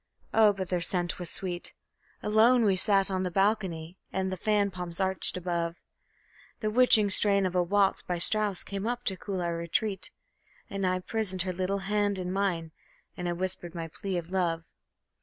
Oh, but their scent was sweet! Alone we sat on the balcony, and the fan palms arched above; The witching strain of a waltz by Strauss came up to our cool retreat, And I prisoned her little hand in mine, and I whispered my plea of love.